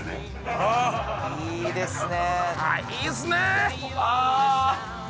ああいいですね